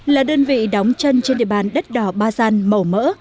là đơn vị đóng chân trên địa bàn đất đỏ ba gian màu mỡ